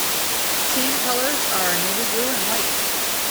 Team colours are Navy Blue and White.